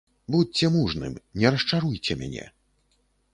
Будзьце мужным, не расчаруйце мяне!